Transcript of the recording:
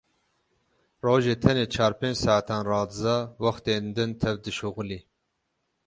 Rojê tenê çar pênc saetan radiza, wextên din tev dişixulî.